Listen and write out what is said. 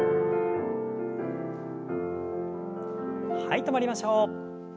はい止まりましょう。